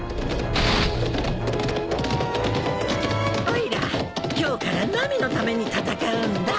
おいら今日からナミのために戦うんだ。